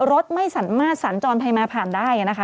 ลดไม่มาสันจรภัยมาผ่านได้นะคะ